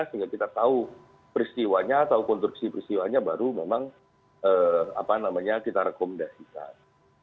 sehingga kita tahu peristiwanya atau konstruksi peristiwanya baru memang kita rekomendasikan